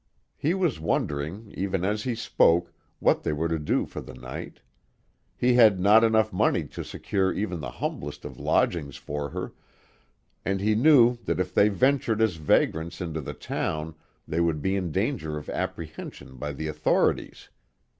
He was wondering, even as he spoke, what they were to do for the night. He had not enough money to secure even the humblest of lodgings for her, and he knew that if they ventured as vagrants into the town they would be in danger of apprehension by the authorities.